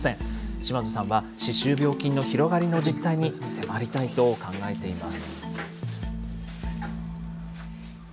島津さんは歯周病菌の広がりの実態に迫りたいと考えています。